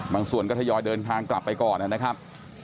ส่วนก็ทยอยเดินทางกลับไปก่อนนะครับ